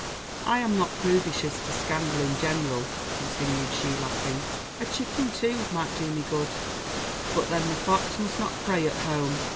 "I am not prudish as to scandal in general," continued she, laughing; "'a chicken, too, might do me good,' but then the fox must not prey at home.